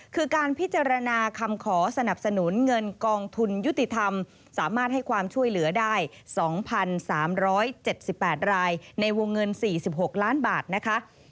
คือการพิจารณาคำขอสนับสนุนเงินกองทุนยุติธรรมสามารถให้ความช่วยเหลือได้๒๓๗๘รายในวงเงิน๔๖ล้านบาทนะคะ